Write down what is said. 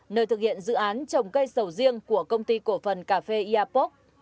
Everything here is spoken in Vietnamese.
nơi thực hiện dự án trồng cây sầu riêng của công ty cổ phần cà phê airpoc